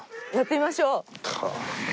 やってみましょう。